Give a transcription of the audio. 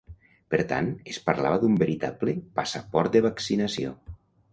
Per tant, es parlava d’un veritable “passaport de vaccinació”.